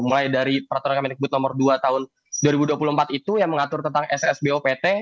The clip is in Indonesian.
mulai dari peraturan kemendikbud nomor dua tahun dua ribu dua puluh empat itu yang mengatur tentang ssbopt